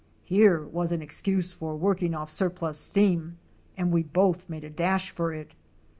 Here was an excuse for work ing off surplus steam, and we both made a dash for it.